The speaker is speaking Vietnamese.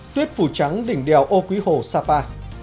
tuyết phủ trắng đỉnh đèo ô quý hồ sapa